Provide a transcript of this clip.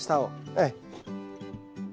ええ。